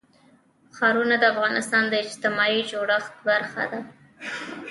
ښارونه د افغانستان د اجتماعي جوړښت برخه ده.